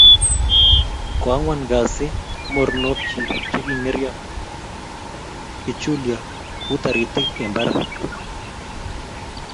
Koangwan kasi mornokchi chegineryo kichulyo ku taritik eng barak